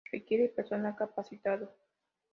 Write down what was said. Requiere personal capacitado.